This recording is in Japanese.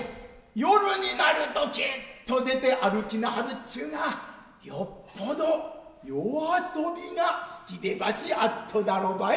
夜になるときっと出て歩きなはるちゅうがよっぽど夜遊びが好きでばしあッとだろばい。